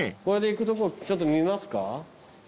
これで行くとこちょっと見ますか。